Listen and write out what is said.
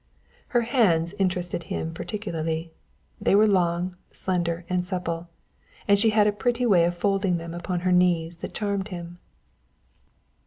Her hands interested him particularly. They were long, slender and supple; and she had a pretty way of folding them upon her knees that charmed him.